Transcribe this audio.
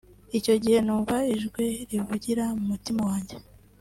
Icyo gihe numva ijwi rivugira mu mutima wanjye